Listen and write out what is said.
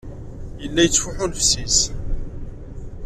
Yella yettfuḥu nnefs-inu.